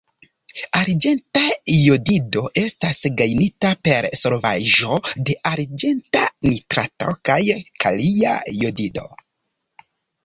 Arĝenta jodido estas gajnita per solvaĵo de arĝenta nitrato kaj kalia jodido.